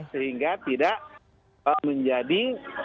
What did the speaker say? sehingga tidak menjadi